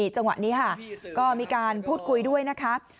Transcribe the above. นี่จังหวัดนี้มีการพูดคุยด้วยนะครับ